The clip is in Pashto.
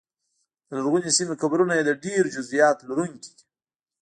د لرغونې سیمې قبرونه یې د ډېرو جزییاتو لرونکي دي